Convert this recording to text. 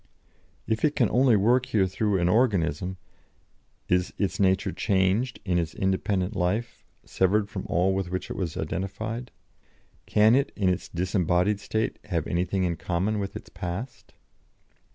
If it can only work here through an organism, is its nature changed in its independent life, severed from all with which it was identified? Can it, in its 'disembodied state,' have anything in common with its past?"